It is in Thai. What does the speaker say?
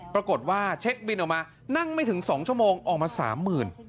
ปรากฏว่าเช็คบินออกมานั่งไม่ถึง๒ชั่วโมงออกมา๓๐๐๐บาท